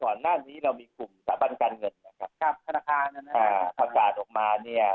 ก่อนหน้านี้เรามีกลุ่มสรรพันธ์การเงินประกาศออกมาเนี่ย